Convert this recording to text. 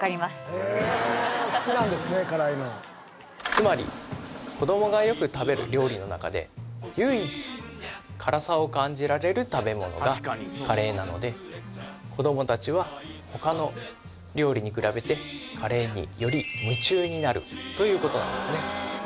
つまり子どもがよく食べる料理の中で唯一辛さを感じられる食べ物がカレーなので子どもたちは他の料理に比べてカレーにより夢中になるということなんですね